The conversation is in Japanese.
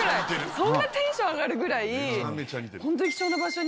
そんなテンション上がるぐらいホントに。